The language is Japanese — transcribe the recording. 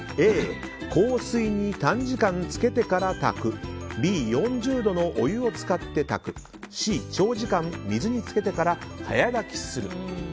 Ａ、硬水に短時間つけてから炊くＢ、４０度のお湯を使って炊くＣ、長時間水につけてから早炊きする。